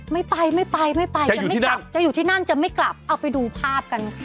ไม่ไปจะอยู่ที่นั่นจะไม่กลับเอาไปดูภาพกันค่ะ